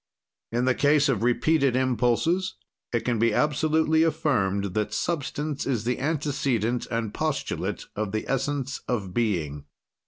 "In the case of repeated impulses, it can be absolutely affirmed that substance is the antecedent and postulate of the essence of being.